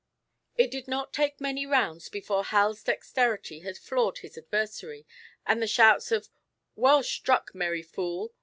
It did not take many rounds before Hal's dexterity had floored his adversary, and the shouts of "Well struck, merry fool!"